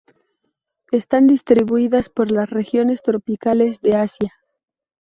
Están distribuidas por las regiones tropicales de Asia.